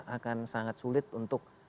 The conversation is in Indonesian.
akan sangat sulit untuk